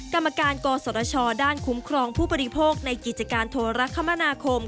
กรรมการกศชด้านคุ้มครองผู้บริโภคในกิจการโทรคมนาคม